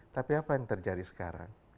tapi apa yang terjadi sekarang